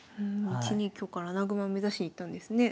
１二香から穴熊を目指しに行ったんですね。